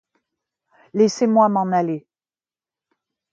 Laissez-moi m’en aller.